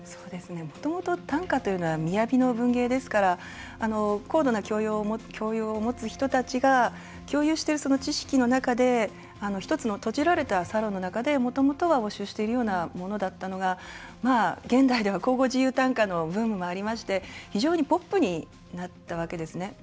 もともと短歌というのはみやびの文芸ですから高度な教養を持つ人たちが共有してる知識の中で、１つの閉じられた中で応酬しているようなものだったのが現代では口語自由短歌のブームもありまして、非常にポップになったわけですね。